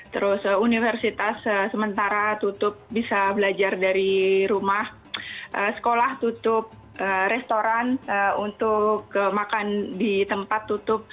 terus universitas sementara tutup bisa belajar dari rumah sekolah tutup restoran untuk makan di tempat tutup